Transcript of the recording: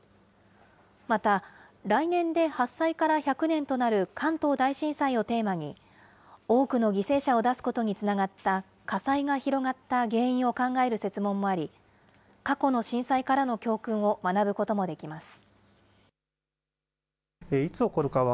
また、来年で発災から１００年となる関東大震災をテーマに、多くの犠牲者を出すことにつながった、火災が広がった原因を考える設問もあり、過去の震災からの教訓を学ぶこともできます。